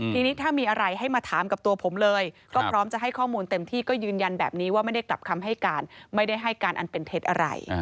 ทีนี้ถ้ามีอะไรให้มาถามกับตัวผมเลยก็พร้อมจะให้ข้อมูลเต็มที่ก็ยืนยันแบบนี้ว่าไม่ได้กลับคำให้การไม่ได้ให้การอันเป็นเท็จอะไร